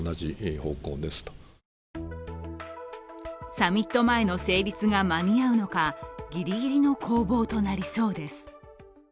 サミット前の成立が間に合うのか、ぎりぎりの攻防となりそうです。